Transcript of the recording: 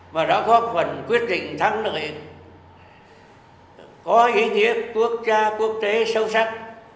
và đó có phần quyết định thắng được có ý nghĩa quốc gia quốc tế sâu sắc